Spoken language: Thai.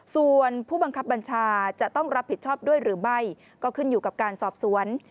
ส่วนผู้บังคับบัญชาจะต้องรับผิดชอบด้วยหรือไม่ก็ขึ้นอยู่กับการสอบสวน